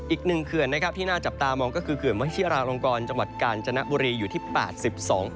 อีกหนึ่งเขือนนะครับที่น่าจับตามองก็คือเขือนไว้ที่ราลงกรจังหวัดกาญจนบุรีอยู่ที่๘๒